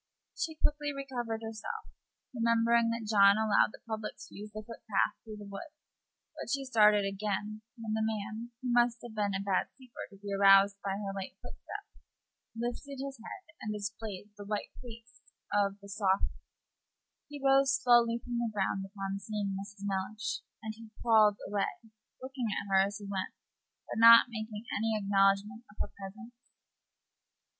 She quickly recovered herself, remembering that John allowed the public to use the footpath through the wood; but she started again when the man, who must have been a bad sleeper, to be aroused by her light footstep, lifted his head and displayed the white face of the softy. He rose slowly from the ground upon seeing Mrs. Mellish, and crawled away, looking at her as he went, but not making any acknowledgment of her presence.